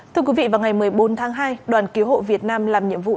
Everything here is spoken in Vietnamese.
thưa quý vị vào ngày một mươi bốn tháng hai đoàn cứu hộ việt nam làm nhiệm vụ